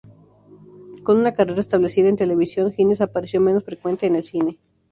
Con una carrera establecida en televisión, Hines apareció menos frecuentemente en el cine.